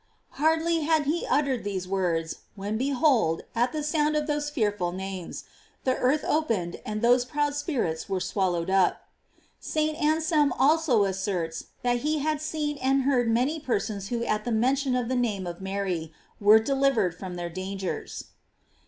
Hardly had he uttered these words, when behold, at the sound of those fearful names, the earth opened and those proud spirits were swallowed up. St. Anselm also asserts that he had seen and heard many persons who at the mention of the name of Mary were delivered from their dangers.